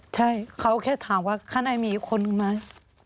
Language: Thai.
ใช่เขาแค่ถามว่าข้างในมีอีกคนนึงไหม